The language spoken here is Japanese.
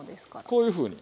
こういうふうに。